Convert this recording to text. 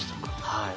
はい。